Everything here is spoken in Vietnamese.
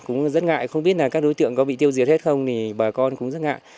cũng rất ngại không biết là các đối tượng có bị tiêu diệt hết không thì bà con cũng rất ngại